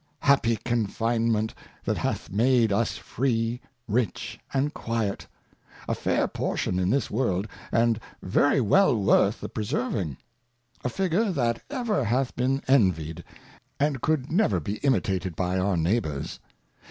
Happy Confinement, that hath made us Free, Rich, and Quiet ; a fair Portion in this World, and very well worth the preservings a Figure that ever hath been envied, and could never be imitated by our Neighbours.